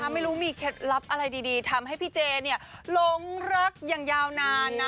ไม่รู้มีเคล็ดลับอะไรดีทำให้พี่เจหลงรักอย่างยาวนานนะ